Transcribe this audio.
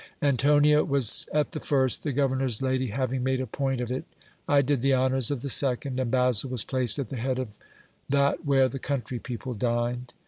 Antonia was at the first, the governor's lady having made a point of it ; I did the honours of the second, and Basil was placed at the head of that where the country people dined.